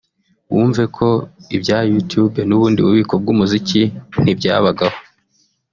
wumve ko ibya YouTube n’ubundi bubiko bw’umuziki ntibyabagaho